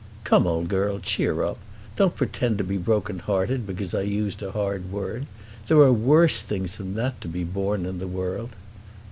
"Come, old girl, cheer up! Don't pretend to be broken hearted because I used a hard word. There are worse things than that to be borne in the world."